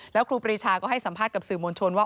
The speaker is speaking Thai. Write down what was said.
แล้วครูปรีชาก็ให้สัมภาษณ์กับสื่อมวลชนว่า